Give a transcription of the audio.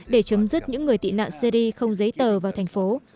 để chấm dứt những người tị nạn syri không giấy tờ vào thành phố